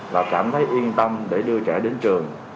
và cảm thấy yên tâm để đưa trẻ đến trường